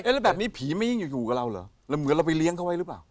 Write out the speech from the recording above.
แล้วแบบนี้ผีไม่ยิ่งอยู่กับเราเหรอแล้วเหมือนเราไปเลี้ยงเขาไว้หรือเปล่า